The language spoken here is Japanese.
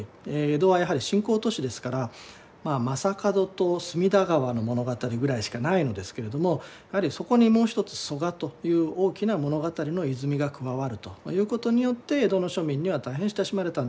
江戸はやはり新興都市ですから将門と隅田川の物語ぐらいしかないのですけれどもやはりそこにもう一つ曽我という大きな物語の泉が加わるということによって江戸の庶民には大変親しまれたんではないかと思います。